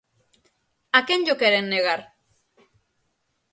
¿A quen llo queren negar?